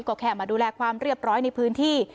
ก็แค่มาดูแลความเรียบร้อยในพื้นที่